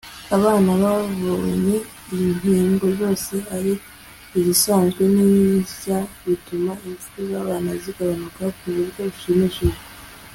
abana babonye inkingo zose ari izisanzwe n'inshya bituma impfu z'abana zigabanuka ku buryo bushimishije